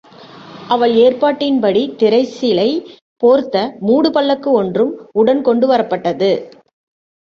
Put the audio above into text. அவள் ஏற்பாட்டின் படி திரைச்சிலை போர்த்த மூடுபல்லக்கு ஒன்றும் உடன் கொண்டு வரப்பட்டது.